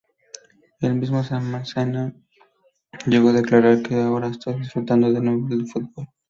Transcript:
El mismo Senna llegó a declarar que "Ahora estoy disfrutando de nuevo del fútbol".